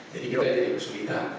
jadi kita jadi kesulitan